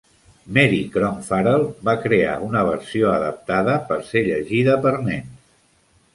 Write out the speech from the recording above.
Mary Cronk Farell va crear una versió adaptada per ser llegida per nens.